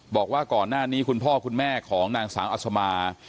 บอกว่าก่อนหน้านี้คุณพ่อคุณแม่ของนางสาวอัศมา